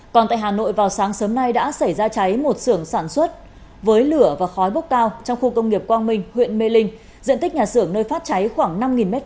còn tại hà nội vào sáng sớm nay đã xảy ra cháy một sưởng sản xuất với lửa và khói bốc cao trong khu công nghiệp quang minh huyện mê linh diện tích nhà xưởng nơi phát cháy khoảng năm m hai